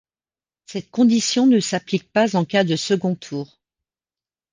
Cette condition ne s'applique pas en cas de second tour.